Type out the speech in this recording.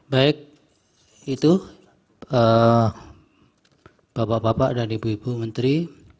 baik itu bapak bapak dan ibu ibu menteri